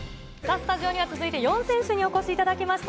スタジオには続いて４選手にお越しいただきました。